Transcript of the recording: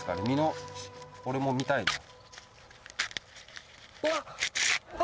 実の俺も見たい。